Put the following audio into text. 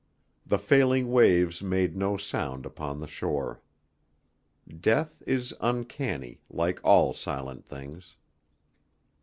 The failing waves made no sound upon the shore. Death is uncanny, like all silent things.